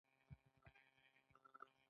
د تاله او برفک کانونه لري